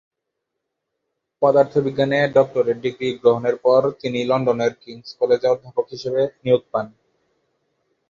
পদার্থ বিজ্ঞানে doctorate degree গ্রহণের পর তিনি লন্ডনের কিংস কলেজে অধ্যাপক হিসাবে নিয়োগ পান।